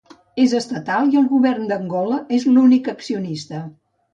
És estatal i el Govern d'Angola és l'únic accionista.